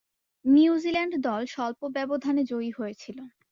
New Zealand দল স্বল্প ব্যবধানে জয়ী হয়েছিল।